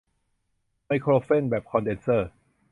ไมโครโฟนแบบคอนเดนเซอร์